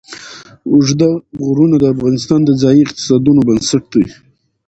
اوږده غرونه د افغانستان د ځایي اقتصادونو بنسټ دی.